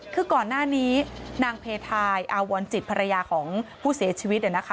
คือก่อนหน้านี้นางเพทายอาวรจิตภรรยาของผู้เสียชีวิต